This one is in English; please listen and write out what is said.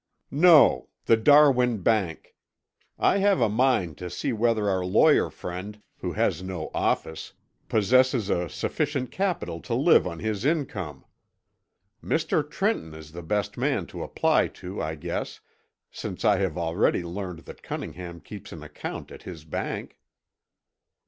"No, the Darwin Bank. I have a mind to see whether our lawyer friend, who has no office, possesses a sufficient capital to live on his income. Mr. Trenton is the best man to apply to I guess, since I have already learned that Cunningham keeps an account at his bank."